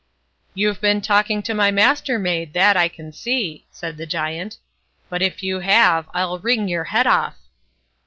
"You've been talking to my Mastermaid, that I can see", said the Giant; "but if you have, I'll wring your head off."